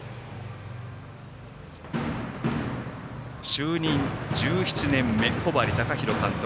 就任１７年目、小針崇宏監督